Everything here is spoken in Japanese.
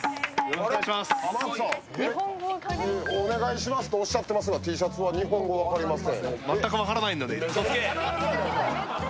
お願いしますとおっしゃっていますが、Ｔシャツは「日本語分かりません」。